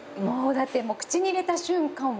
もうだって口に入れた瞬間